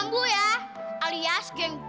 geng mampu ya alias geng bau